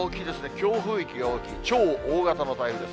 強風域が大きい、超大型の台風です。